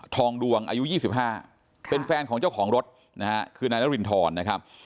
ทองดวงอายุ๒๕เป็นแฟนของเจ้าของรถนะฮะคือนายนารินทรนะครับ